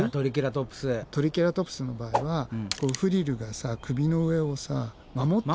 トリケラトプスの場合はフリルがさ首の上を守ってる。